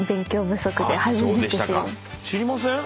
知りません？